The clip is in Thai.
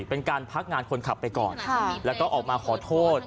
เป็นการพักงานคนขับไปก่อนแล้วก็ออกมาขอโทษ